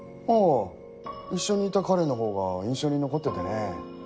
ああ一緒にいた彼のほうが印象に残っててね。